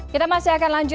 kita masih akan lanjut